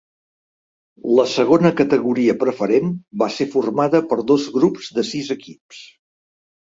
La Segona Categoria Preferent va ser formada per dos grups de sis equips.